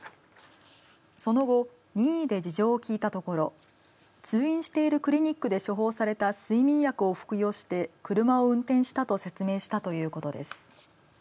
その後任意で事情を聞いたところ通院しているクリニックで処方された睡眠薬を服用して車を運転したと説明したということです。